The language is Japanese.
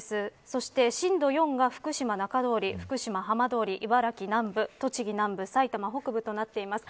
そして震度４が福島中通り福島浜通り、茨城南部、栃木南部埼玉北部となっています。